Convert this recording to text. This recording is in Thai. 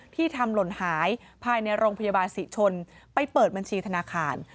ที่ทำหล่นหายภายในโรงพยาบาลศรีชนไปเปิดบัญชีธนาคาร